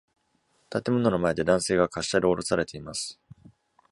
建物の前で男性が滑車で下ろされています。